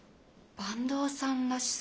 坂東さんらしさ？